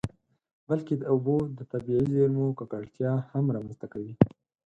بلکې د اوبو د طبیعي زیرمو ککړتیا هم رامنځته کوي.